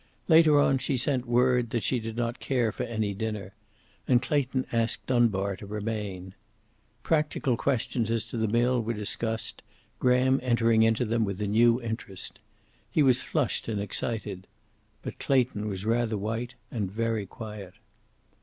Later on she sent word that she did not care for any dinner, and Clayton asked Dunbar to remain. Practical questions as to the mill were discussed, Graham entering into them with a new interest. He was flushed and excited. But Clayton was rather white and very quiet.